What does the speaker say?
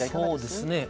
そうですね